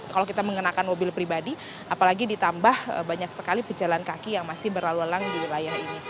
kalau kita mengenakan mobil pribadi apalagi ditambah banyak sekali pejalan kaki yang masih berlalu lalang di wilayah ini